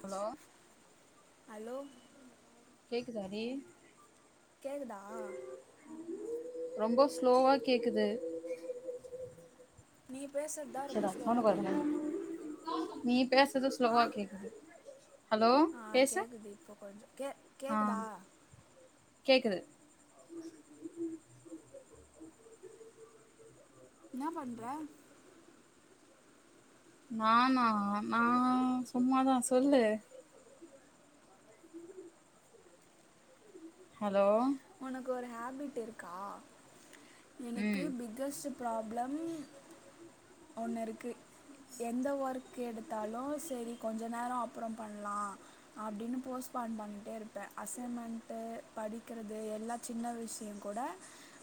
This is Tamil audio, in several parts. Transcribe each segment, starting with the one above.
ஹலோ ஹலோ கேக்குதாடி கேக்குதா? ரொம்பொ ஸ்லோவா கேக்குது நீ எப் பேசறதா ரொம்ப சரிடா சவுண்ட ஸ்லோவா கொறைக்கறே கேக்குது நீ பேச அடுத்தது ஆ ஸ்லோவா கேக்குது ஹலோ ஆ பேசு கேக்குது இப்போ கொஞ்சோ கே கேக்குதா ஆஹ் கேக்குது என்னா பண்ற? நானா நா சும்மாதா சொல்லு ஹலோ உனக்கு ஒரு ஹேபிட் இருக்கா எனக்கு ம் பிக்கஸ்ட் ப்ராப்ளம் ஒன்னு இருக்கு எந்த ஒர்க் க்கு எடுத்தாலு செரி கொஞ்சோ நேர அப்பற பண்லா அப்டின்னு போஸ்ட்பான் பண்ணிட்டே இருப்பே அசைன்மெண்ட்டு படி டிக்றது எல்லா சின்ன விஷ்ய கூட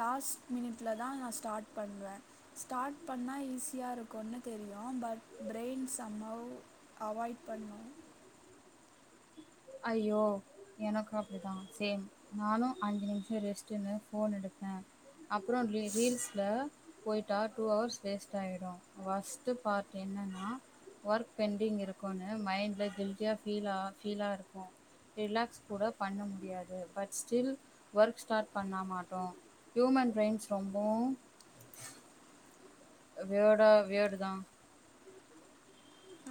லாஸ்ட் மினிட்ல தா நா ஸ்டார்ட் பண்ணுவே ஸ்டார்ட் பண்ணா ஈஸியா இருக்குனு தெரியு பட் பிரெயின் சம்மவ் அவாய்ட் பண்ணு ஐயோ எனக்கு அப்டிதா சேம் நானு அஞ்சு நிமிஷ ரெஸ்ட்டுன்னு ஃபோன் எடுப்பே அப்றோ ரீ ரீல்ஸ்ல போய்ட்டா டூ ஹவர்ஸ் வேஸ்ட் ஆயிடு வொர்ஸ்ட்டு பார்ட் என்னனா ஒர்க் பெண்டிங் இருக்குனு மைண்ட்ல கில்டியா ஃபீலா ஃபீலா இருக் க்கு ரிலாக்ஷ் கூட பண்ண முடியாது பட் ஸ்டில் ஒர்க் ஸ்டார்ட் பண்ண மாட்டோ ஹியூமன் ப்ரைன்ஸ் ரொம்போ வியடா வியடு தா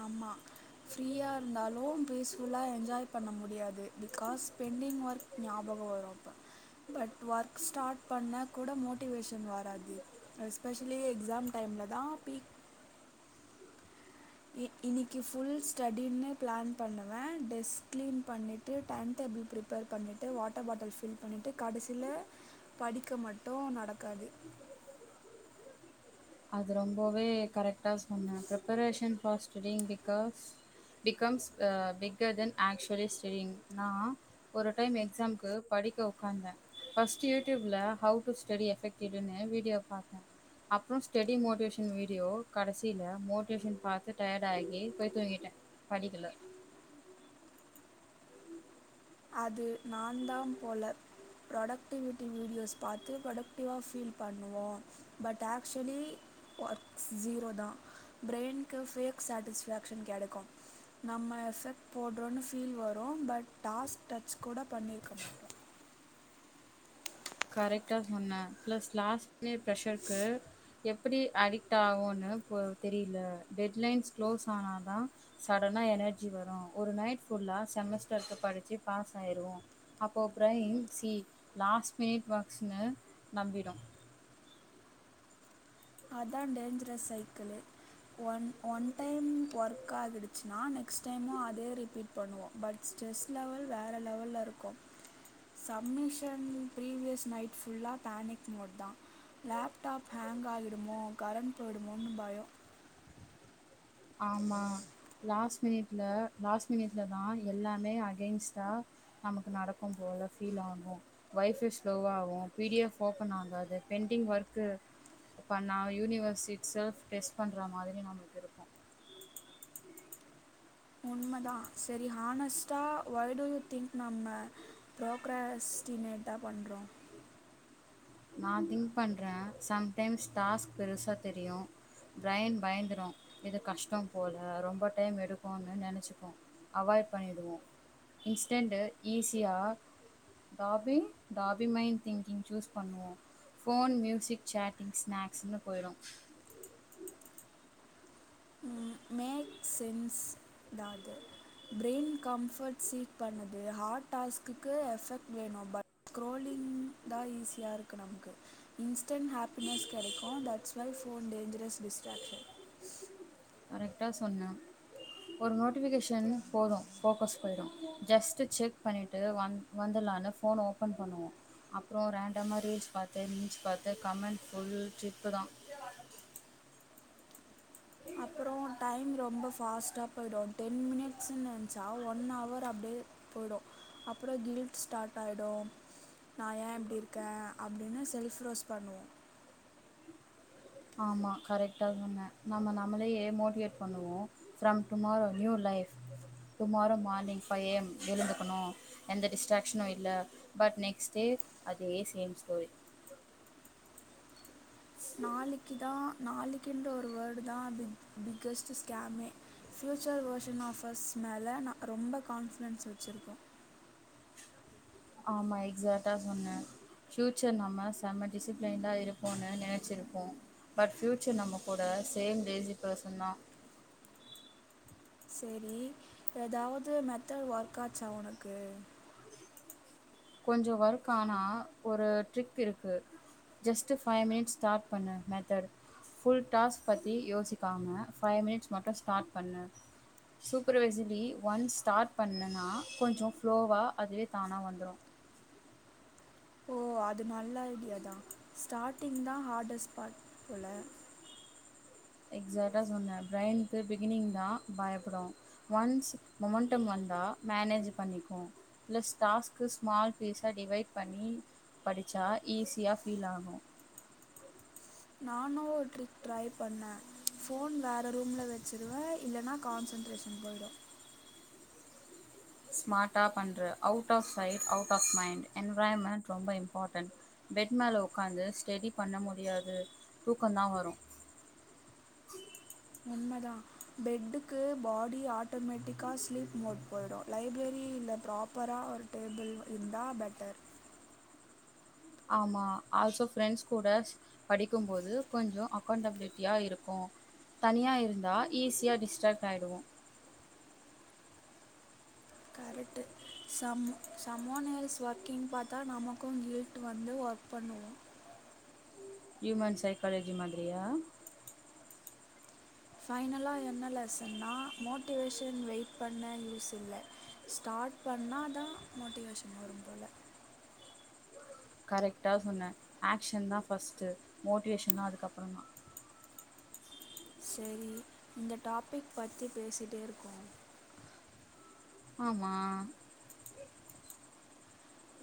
ஆமா ஃப்ரீயா இருந்தாலு பீஸ் ஃபுல்லா என்ஜாய் பண்ண முடியாது பிகாஸ் பெண்டிங் ஒர்க் ஞாபகம வரு அப்ப பட் ஒர்க் ஸ்டார்ட் பண்ணா கூட மோட்டிவேஷன் வராது எஸ்பெஷலி எக்ஸாம் டைம்ல தா பீ இ இனிக்கி ஃபுல் ஸ்டடினு பிளான் பண்ணுவ டெஸ்க் கிளீன் பண்ணிட்டு டைன் டேபிள் ப்ரிப்பேர் பண்ணிட்டு வாட்டர் பாட்டில் ஃபில் பண்ணிட்டு கடசில படிக்க மட்டு நடக்காது அது ரொம்பவே கரெக்டா சொன்னே ப்ரிபரேஷன் [unintelligible] பிகாஷ் பிகம்ஷ் அ பிக்கர் தென் ஆக்டுவலி ஷ்டடியிங் நா ஒரு டைம் எக்ஸாம்க்கு படிக்க உக்காந்தே ஃபஷ்ட் யூடூப்ல how to study effective video பாத்த அப்றோ ஸ்டெடி மோட்டிவேஷன் வீடியோ கடசில மோட்டிவேஷன் பாத்து டயர்ட் ஆகி போய் தூங்கிட்டே படிக்கல அது நா தா போல ப்ரொடக்டிவிட்டி வீடியோஸ் பாத்து ப்ரொடக்டிவா ஃபீல் பண்ணுவோ பட் ஆக்சுவலி ஒர்க்ஸ் ஜஸீரோ தா பிரெய்ன்கு ஃபேக் சாட்டிஸ்ஃபேக்ஷன் கெடக்கு நம்ம எஃபெக்ட் போடுறோனு ஃபீல் வரு பட் டாஸ்க் டச் கூட பண்ணியிருக்க மாட்டோ கரெக்டா சொன்னே பிளஸ் லாஸ்டே ப்ஷர்கு எப்டி அடிக்ட் ஆகுனு தெரியல டெட் லைன்ஸ் க்ளோஸ் ஆனாதா சடனா எனர்ஜி வரு ஒரு நைட் ஃபுல்லா செமஸ்டருக்கு படிச்சு பாஸ் ஆயிருவோ அப்போ ப்ரைன் சி லாஸ் மேட் பாக்ஸ்னு நம்பிடு அதா dangerous cycle one one time work ஆகிடுச்சுனா நெக்ஸ்ட் டைமு அதே ரிப்பீட் பண்ணுவோ பட் ஸ்ட்ரெஸ் லெவல் வேற லெவல்ல இருக்கு சம்மிஷன் ப்ரீவியஸ் நைட் ஃபுல்லா பேனிக் மோட் தா லேப்டாப் ஹேங் ஆகி டுமோ கரண்ட் போயிடுமோனு பயோ ஆமா லாஸ்ட் மினிட்ல லாஸ்ட் மினிட்ல தா எல்லாமே அகென்ஸ்ட்டா நமக்கு நடக்கு போல ஃபீல் ஆகு ஒய்ஃபை ஸ்லோவாகு பிடிஎஃப் ஓப்பன் ஆகாது பெண்டிங் ஒர்க்கு பண்ணா யூனிவர்ஸ்ட் செல்ஃப் டெஸ்ட் பண்ணுற மாரி நம்மளுக்கு இருக்கு உண்மதா செரி ஹானஸ்ட்டா ஒய் டு யூ திங்க் நம்ம ப்ரோக்ரஸ்டிமேட்ட பண்றோ நான் திங்க் பண்றே சம்டைம்ஸ் டாஸ்க் பெருசா தெரியு பிரைன் பயந்துரு இது கஷ்டம் போல ரொம்ப டைம் எடுக்குனு நெனச்சுப்போ அவாய்ட் பண்ணிடுவோ இன்ஸ்டன்டு ஈஸியா டாபிங் [unintelligible] திங்கிங் சூஸ் பண்ணுவோ ஃபோன் மியூசிக் சேட்டிங் ஸ்நாக்ஸ்னு போயிடு சென்ஷ்தா அது ப்ரைன் கம்ஃபோர்ட் சீட் பண்ணுது ஹார்ட் டாஸ்க்கு எஃபக்ட் வேணு பட் க்ரோலிங் தா ஈஸியா இருக்கு நமக்கு இன்ஸ்டன் ஹாப்பினஸ் கெடைக்கு தீட்ஷ் ஒய் ஃபோன் டேஞ்சரஷ் டிஷ்ட்ராக்ஷன் கரெக்டா சொன்னே ஒரு நோட்டிஃபிகேஷன் போது ஃபோக்கஸ் போயிடு ஜஸ்ட்டு செக் பண்ணிட்டு வந் வந்துலானு ஃபோன் ஓப்பன் பண்ணுவோ அப்புறோ ரேண்டமா ரீல்ஸ் பாத்து மீம்ஸ் பாத்து கமெண்ட் ஃபுல் ட்ரிப்பு தா அப்புறோ டைம் ரொம்ப ஃபாஸ்ட்டா போயிடு டென் மினிட்ஸ்ன்னு நெனச்சா ஒன் அவர் அப்டியே போயிடு அப்புறோ கில்ட் ஸ்டார்ட் ஆயிடு நா ஏ இப்டி இருக்கே அப்டின்னு செல்ஃப் ரோஸ் பண்ணுவோ ஆமா கரெக்ட்டா சொன்ன நம்ம நம்மளே மோட்டிவேட் பண்ணுவோ from tomorrow new life tomorrow morning five ஏம் எழுந்துக்கணு எந்த டிஸ்ட்ராக்ஷனு இல்ல பட் நெக்ஸ்ட் டே அதே சேம் ஸ்டோரி நாளைக்கு தா நாளைக்குன்ற ஒரு வேர்டு தா பிக் பிக்கஸ்ட் ஸ்கேமே ஃபியூச்சர் வேர்ஷன் ஆஃபர்ஸ் மேல நா ரொம்ப கான்ஃபிடென்ஸ் வச்சிருக்கே ஆமா எக்சாடா சொன்னே ஃபியூச்சர் நம்ம செம்ம டிசிப்ளைன்டா இருப்போனு நெனைச்சிருப்போ பட் ஃபியூச்சர் நம்ம கூட சேம் லேசி பர்சன் தா செரி எதாவது மெத்தட் ஒர்க் ஆச்சா ஒனக்கு கொஞ்ச ஒர்க் ஆனா ஒரு ட்ரிக் இருக்கு ஜஸ்ட் ஃபைவ் மினிட்ஸ் ஸ்டார்ட் பண்ணு மெத்தட் ஃபுல் டாஸ் பத்தி யோசிக்காம ஃபைவ் மினிட்ஸ் மட்டு ஸ்டார்ட் பண்ணு சூப்பர்வைசிலி ஒன்ஸ் ஸ்டார்ட் பண்ணனா கொஞ்ச ஃப்ளோவா அதுவே தானா வந்துடு ஓ அது நல்ல ஐடியா தா ஸ்டார்ட்டிங் தா ஹார்டர்ஸ் பாட் போல எக்சாடா சொன்னே பிரைன்கு பிகினிங் தா பயப்படு ஒன்ஸ் மொமென்டம் வந்தா மேனேஜ் பண்ணிக்கு லெஷ் டாஷ்க் ஷ்மால் பீஸா டிவைட் பண்ணி படிச்சா ஈஸியா ஃபீல் ஆகு நானு ஒரு ட்ரிக் ட்ரை பண்ணே ஃபோன் வேற ரூம்ல வச்சுறுவே இல்லனா கான்சன்ட்ரேஷன் போயிடு ஸ்மார்ட்டா பண்ற out of sight out of mind environment ரொம்ப இம்பார்டன்ட் பெட் மேல ஒக்காந்து ஸ்டெடி பண்ண முடியாது தூக்கந்தா வரும் உண்மதா பெட்டுக்கு பாடி ஆட்டோமேட்டிக்கா ஸ்லீப் மோட் போயிடு லைப்ரரி இல்ல ப்ராப்பரா ஒரு டேபிள் இருந்தா பெட்டர் ஆமா ஆல்சோ ஃப்ரெண்ஷ் கூட படிக்குபோது கொஞ்ச அகௌண்டபிலிட்டியா இருக்கு தனியா இருந்தா ஈஸியா டிஸ்டாக் ஆயிடுவோ correct some someone else working பாத்தா நமக்கு கில்ட் வந்து ஒர்க் பண்ணுவோ ஹியூமன் சைக்காலஜி மாதிரியா ஃபைனலா என்ன லெசன்னா மோட்டிவேஷன் வெயிட் பண்ண யூஸ் இல்ல ஸ்டார்ட் பண்ணா தா மோட்டிவேஷன் வரும்போல கரெக்டா சொன்னே ஆக்க்ஷன் தா ஃபர்ஸ்ட் மோட்டிவேஷன்லா அதுக்கப்ற தான் செரி இந்த டாபிக் பத்தி பேசிட்டே இருக்கோ ஆமா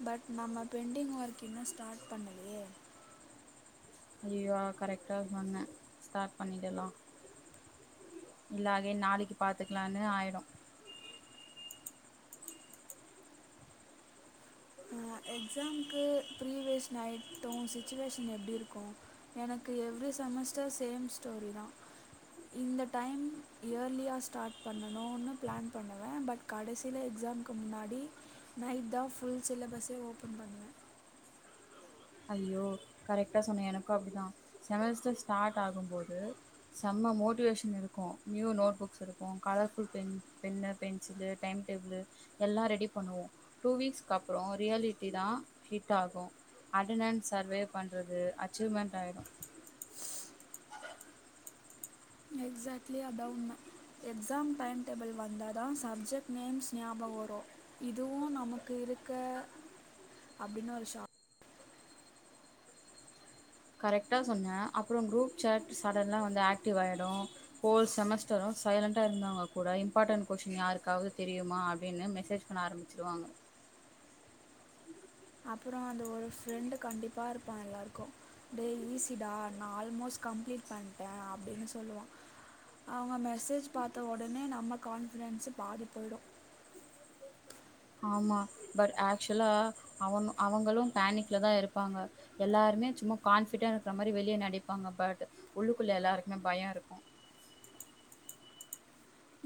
பட் நம்ம பெண்டிங் ஒர்க் இன்னு ஸ்டார்ட் பண்ணலயே ஐயய்யோ கரெக்ட்டா சொன்னே ஸ்டார்ட் பண்ணிடலா இல்ல அகைன் நாளைக்கு பாத்துக்கலானு ஆயிடு எக்ஸாம்கு ப்ரீவியஸ் நைட்டு சிச்சுவேஷன் எப்டி இருக்கு எனக்கு எவ்ரி செமஸ்டர் சேம் ஸ்டோரி தா இந்த டைம் இயர்லியா ஸ்டார்ட் பண்ணணுனு பிளான் பண்ணுவே பட் கடைசியில எக்ஸாம்கு முன்னாடி நைட் தா ஃபுல் சிலபஸ் ஓப்பன் பண்ணுவ ஐயயோ கரெக்டா சொன்னே எனக்கும் அப்டிதா செமஸ்டர் ஸ்டார்ட் ஆகும் போது செம்ம மோட்டிவேஷன் இருக்கு நியூ நோட் புக்ஸ் இருக்கு கலர்ஃபுல் பெ பென்னு பென்சிலு டைம் டேபிள் எல்லா ரெடி பண்ணுவோ டூ வீக்ஸ்க்கு அப்புறோ ரியாலிட்டி தா ஹிட் ஆகு அட்டனன்ஸ் சர்வே பண்றது அச்சீவ்மென்ட் ஆயிடு எக்ஸாக்ட்லி அடவுன் எக்ஸாம் டைம் டேபிள் வந்தா தான் சப்ஜெக்ட் நேம்ஸ் ஞாபக வரு இதுவு நமக்கு இருக்கா அப்டின்னு ஒரு ஷா கரெக்டா சொன்ன அப்புறோ குரூப் சேட் சடனா வந்து ஆக்டிவ் ஆயிடு ஹோல் செமஸ்டரு சைலண்டா இருந்தவங்க கூட இம்பார்ட்டன்ட் கொஷ்டின் யாருக்காவது தெரியுமா அப்டின்னு மெசேஜ் பண்ண ஆரம்பிச்சிருவாங்க அப்புறோ அந்த ஒரு ஃப்ரெண்டு கண்டிப்பா இருப்பான் எல்லார்க்கு டே ஈஸிடா நா ஆல்மோஸ்ட் கம்ப்ளீட் பண்ட்டே அப்டின்னு சொல்லுவான் அவங்க மெசேஜ் பாத்த ஒடனே நம்ம கான்ஃபிடென்ஸ் பாதி போயிடு ஆமா பட் ஆக்சுலா அவன் அவங்களும் பேனிக்லதா இருப்பாங்க எல்லாருமே சும்மா கான்ஃபிடெ இருக்கிற மாரி வெளிய நடிப்பாங்க பட் உள்ளுக்குள்ள எல்லாருக்மே பயம் இருக்கும்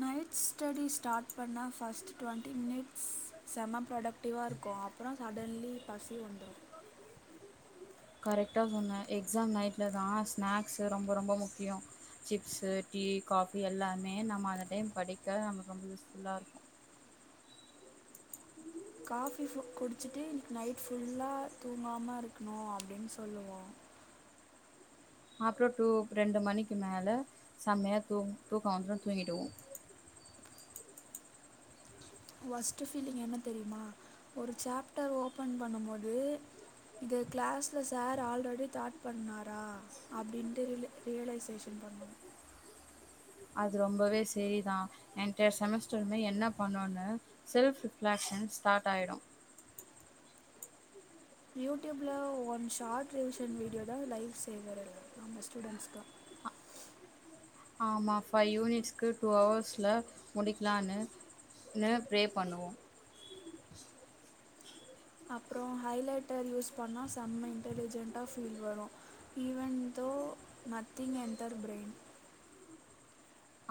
நைட் ஸ்டடி ஸ்டாட் பண்ண ஃபஸ்ட்டு ட்வண்ட்டி மினிட்ஸ் செம ப்ரொடக்டிவா இருக்கு அப்புறோ சடன்லி பசி வந்துரு கரெக்டா சொன்ன எக்ஸாம் நைட்ல தான் ஸ்நேக்ஸு ரொம்ப ரொம்ப முக்கியொ சிப்ஸு டீ காஃபி எல்லாமே நம்ம அந்த டைம் படிக்க நமக் ரொம்ப யூஸ்ஃபுல்லா ருக்கு காஃபி குடிச்சிட்டு நைட் ஃபுல்லா தூங்காம இருக்கணு அப்டின் சொல்லுவோ அப்றோ டூ ரெண்டு மணிக்கு மேல செமையா தூ தூக்கம் வந்ரு தூங்கிடுவோ வஸ்ட்டு ஃபீலிங் என்ன தெரியுமா ஒரு சாப்டர் ஓப்பன் பண்ணும்போது இத க்ளாஸ்ல சார் ஆல்ரெடி தாட் பண்ணாரா அப்டின்ட்டு ரில் ரியலைசேஷன் பண்ணோ அது ரொம்பவே செரிதான் என்டயர் செமஸ்டருமே என்ன பண்ணுனு செல்ஃப் ரிஃப்லக்ஷன் ஸ்டாட் ஆயிடும் யூடியூப்ல ஒன் ஷாட் ரிவிஷன் வீடியோ தா லைவ் சேவரல்லா நம்ம ஸ்டுடெண்ஸ்கெலா ஆமா ஃபை யூனிட்ஸ்கு டூ ஹவர்ஸ்ல முடிக்லானு னு ப்ரே பண்ணுவோ அப்றோ ஹைலைட்டர் யூஸ் பண்ணா செம்ம இன்டெலிஜென்ட்டா ஃபீல் வரு even though nothing enter brain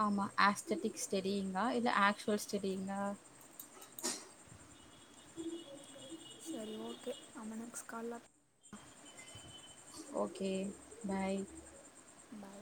ஆமா ஆஸ்தடிக் ஸ்டடியிங்கா இல்ல ஆக்சுவல் ஸ்டடியிங்கா சரி ஓகே நம்ம நெக்ஸ்ட் கால்ல ஓகே பை பை